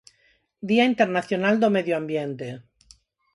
Día Internacional do Medio ambiente.